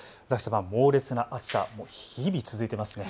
猛烈な暑さ日々、続いていますね。